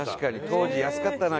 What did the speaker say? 当時安かったな